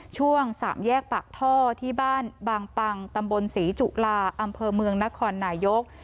ช่วงสามแยกปากท่อที่บ้านบางปังตำบลศรีจุลาอำเภอเมืองนครนายก